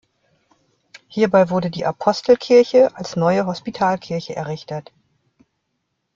Hierbei wurde die Apostelkirche als neue Hospitalkirche errichtet.